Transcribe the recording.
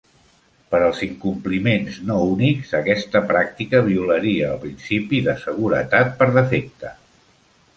Per als incompliments no únics, aquesta pràctica violaria el principi de "seguretat per defecte".